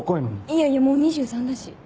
いやいやもう２３だし。